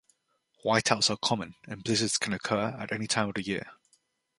Whiteouts are common, and blizzards can occur at any time of the year.